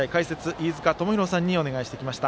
飯塚智広さんにお願いしてきました。